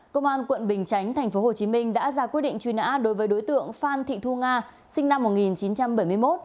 công an quận bình chánh tp hcm đã ra quyết định truy nã đối với đối tượng phan thị thu nga sinh năm một nghìn chín trăm bảy mươi một